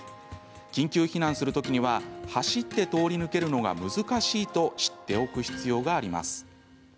緊急避難するときには走って通り抜けるのが難しいと知っておく必要があります。